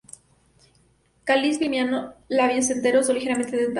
Cáliz bilabiado, labios enteros o ligeramente dentado.